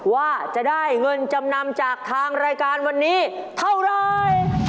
ว่าจะได้เงินจำนำจากทางรายการวันนี้เท่าไร